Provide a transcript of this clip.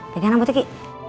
tegang rambutnya ki